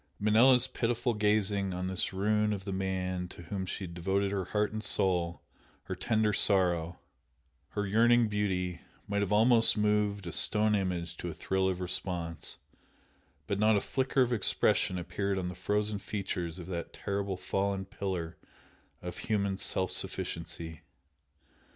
Manella's pitiful gazing on this ruin of the man to whom she had devoted her heart and soul, her tender sorrow, her yearning beauty, might have almost moved a stone image to a thrill of response, but not a flicker of expression appeared on the frozen features of that terrible fallen pillar of human self sufficiency.